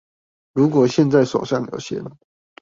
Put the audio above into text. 如果現在手上有閒